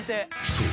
［そう。